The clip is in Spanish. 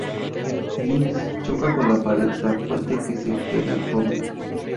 Jinx choca con la pared tan fuerte que se queda tonto.